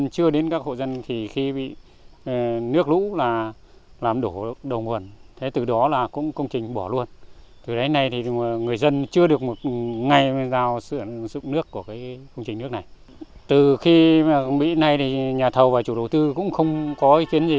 từ khi mỹ đến nay nhà thầu và chủ đầu tư cũng không có ý kiến gì